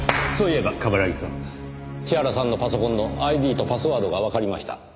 そういえば冠城くん千原さんのパソコンのＩＤとパスワードがわかりました。